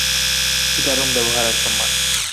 কী দারুণ ব্যবহার আর সম্মান।